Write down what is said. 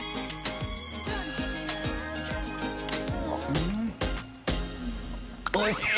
うん！